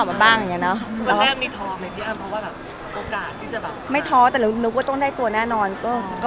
มันไม่ใช่ตัวเองเลยค่ะ